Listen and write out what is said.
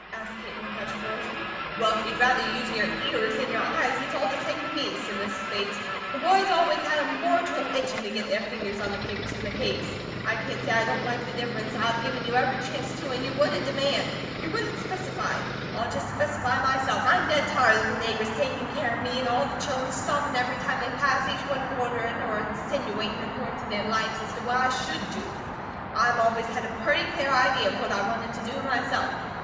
asked Kate in a hushed voice. "Well, if you'd rather use your ears than your eyes, it's all the same to me," said Mrs. Bates. "The boys always had a mortal itchin' to get their fingers on the papers in the case. I can't say I don't like the difference; and I've give you every chance, too, an you WOULDN'T demand, you WOULDN'T specify. Well, I'll just specify myself. I'm dead tired of the neighbours taking care of me, and all of the children stoppin' every time they pass, each one orderin' or insinuatin' according to their lights, as to what I should do. I've always had a purty clear idea of what I wanted to do myself.